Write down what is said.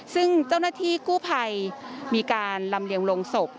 ซึ่งเจ้าหน้าที่กู้ภัยมีการลำเลียงลงศพ